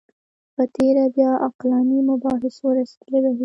په تېره بیا عقلاني مباحثو رسېدلی بهیر و